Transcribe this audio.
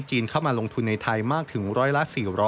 จีนเข้ามาลงทุนในไทยมากถึง๑๐๐ละ๔๐๐